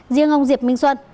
riêng ông diệp minh xuân